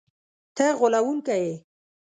ته غولونکی یې!”